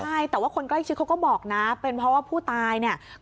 ใช่แต่ว่าคนใกล้ชิดเขาก็บอกนะเป็นเพราะว่าผู้ตายเนี่ย